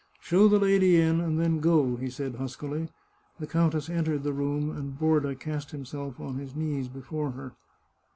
" Show the lady in, and then go," he said huskily. The countess entered the room, and Borda cast himself on his knees before her.